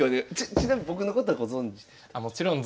ちなみに僕のことはご存じでしたか？